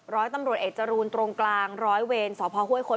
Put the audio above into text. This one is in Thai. ร้อยตำรวจเอกจรูนตรงกลางร้อยเวรสพห้วยคด